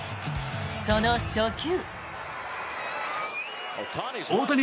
その初球。